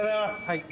はい。